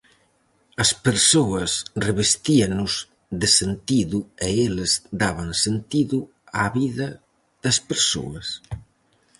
As persoas revestíanos de sentido e eles daban sentido á vida das persoas.